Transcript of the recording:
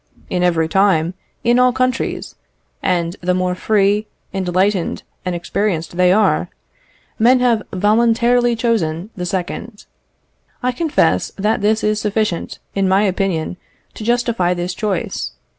In every time, in all countries, and the more free, enlightened, and experienced they are, men have voluntarily chosen the second. I confess that this is sufficient, in my opinion, to justify this choice.